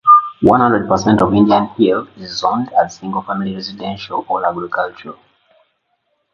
One hundred percent of Indian Hill is zoned as single-family residential or agricultural.